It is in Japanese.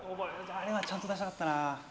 あれはちゃんと出したかったな。